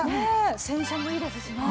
洗車もいいですしね。